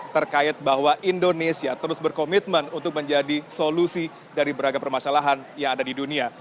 terkait bahwa indonesia terus berkomitmen untuk menjadi solusi dari beragam permasalahan yang ada di dunia